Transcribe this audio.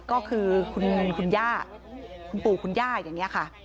ก็คือคุณปู่คุณย่าอย่างนี้ค่ะ